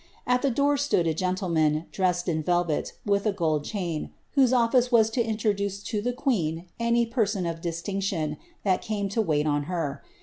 At the door stood a gentleman, dressed in velvet, with a gold chain, whose office was to introduce to the queen any person of distinction, that came to wait on her.